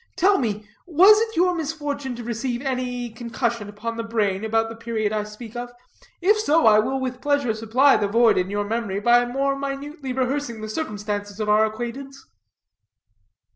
Tell me, was it your misfortune to receive any concussion upon the brain about the period I speak of? If so, I will with pleasure supply the void in your memory by more minutely rehearsing the circumstances of our acquaintance."